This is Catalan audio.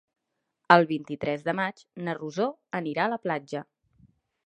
El vint-i-tres de maig na Rosó anirà a la platja.